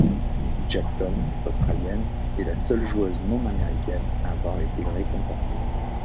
Jackson, australienne, est la seule joueuse non-américaine à avoir été récompensée.